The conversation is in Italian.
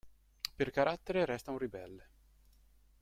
Per carattere resta un ribelle.